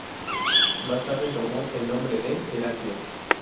Más tarde tomó el nombre de Heraclea.